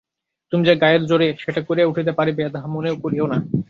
তুমি যে গায়ের জোরে সেটা করিয়া উঠিতে পারিবে, তাহা মনেও করিয়ো না।